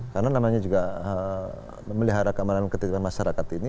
karena namanya juga memelihara keamanan ketidakmasyarakat ini